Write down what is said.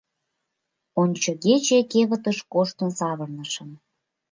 Ончыгече кевытыш коштын савырнышым.